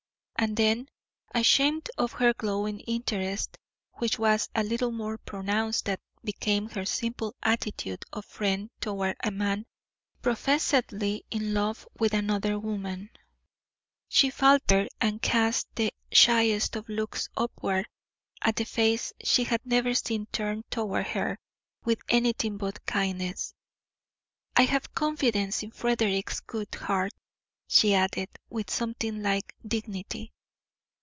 And then, ashamed of her glowing interest, which was a little more pronounced than became her simple attitude of friend toward a man professedly in love with another woman, she faltered and cast the shyest of looks upward at the face she had never seen turned toward her with anything but kindness. "I have confidence in Frederick's good heart," she added, with something like dignity.